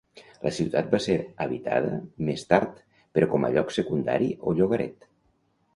La ciutat va ser habitada més tard però com a lloc secundari o llogaret.